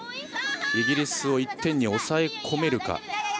イギリスを１点に抑え込められるか。